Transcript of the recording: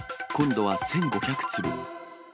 今度は１５００粒。